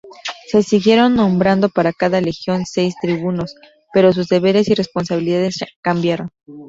Se siguieron nombrando para cada legión seis tribunos, pero sus deberes y responsabilidades cambiaron.